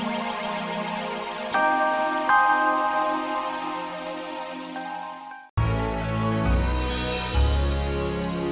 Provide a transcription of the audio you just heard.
mas aku pergi dulu